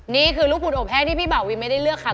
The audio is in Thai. นี่คือลูกบุตรโอแพงที่พี่บ่าวีไม่ได้เลือกค่ะ